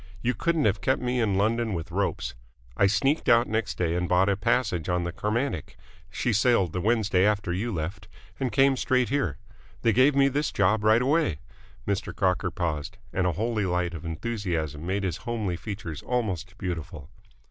You couldn't have kept me in London with ropes. I sneaked out next day and bought a passage on the Carmantic she sailed the Wednesday after you left and came straight here. They gave me this job right away." Mr. Crocker paused, and a holy light of enthusiasm made his homely features almost beautiful.